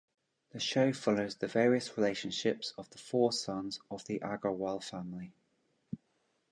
The shows follows the various relationships of the four sons of the Aggarwal family.